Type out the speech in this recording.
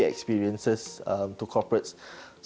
kami memberikan pengalaman ke perusahaan